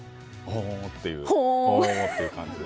ほーんっていう感じで。